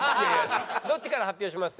どっちから発表します？